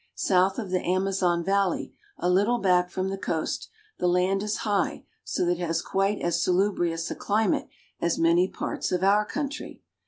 South of the Amazon valley, a little back from the coast, the land is high, so that it has quite as salubrious a climate as many parts of our country.